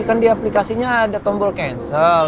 kan di aplikasinya ada tombol cancel